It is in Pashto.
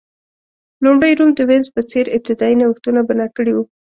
لومړی روم د وینز په څېر ابتدايي نوښتونه بنا کړي وو